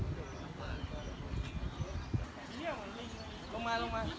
กลับมาเมื่อเวลาเมื่อเวลา